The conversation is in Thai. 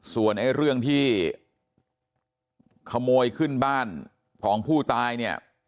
ส่วนไอ้เรื่องที่ขโมยขึ้นบ้านของผู้ตายเนี่ย